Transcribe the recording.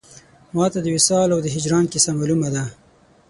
ما ته د وصال او د هجران کیسه مالومه ده